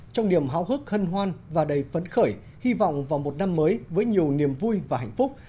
trong niềm háo hức hân hoan và đầy phấn khởi hy vọng vào một năm mới với nhiều niềm vui và hạnh phúc